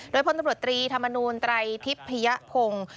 โดยพลตำรวจตรีธรรมนูลไตรทิพยพงศ์